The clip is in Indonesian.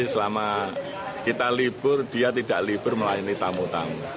selama kita libur dia tidak libur melayani tamu tamu